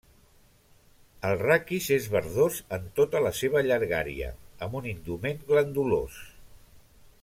El raquis és verdós en tota la seva llargària, amb un indument glandulós.